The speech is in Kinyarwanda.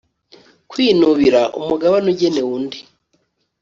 kwikubira umugabane ugenewe undi